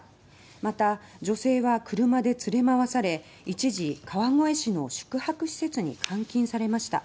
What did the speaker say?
また女性は車で連れ回され一時、川越市の宿泊施設に監禁されました。